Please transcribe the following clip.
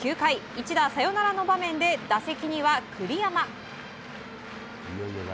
一打サヨナラの場面で打席には栗山。